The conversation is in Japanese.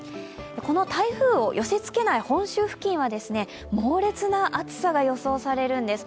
この台風を寄せ付けない本州付近は猛烈な暑さが予想されるんです。